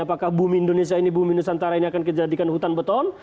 apakah bumi indonesia ini bumi nusantara ini akan kita jadikan hutan beton